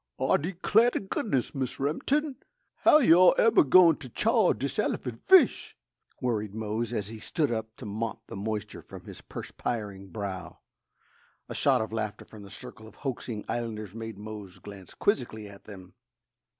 "Ah d'clar' t' goodness, Mis Remin'ton, how you all eber goin' t' chaw dis elerphant fish?" worried Mose, as he stood up to mop the moisture from his perspiring brow. A shout of laughter from the circle of hoaxing islanders made Mose glance quizzically at them.